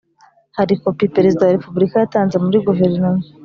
Hari kopi Perezida wa Repubulika yatanze muri guverinoma